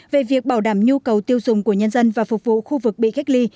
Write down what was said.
về việc bảo đảm nhu cầu tiêu dùng của nhân dân và phục vụ khu vực bị cách ly